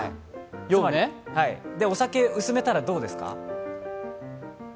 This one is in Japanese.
お酒、薄めたらどうですか？